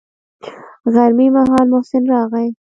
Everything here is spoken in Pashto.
غرمې مهال محسن راغى.